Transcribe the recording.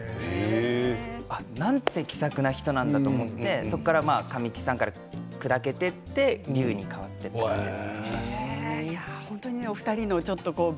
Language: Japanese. そこからなんてきさくな人なんだと思ってそこから神木さんがくだけて隆に変わっていったんです。